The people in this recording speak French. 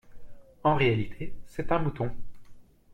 En réalité, c'est un mouton.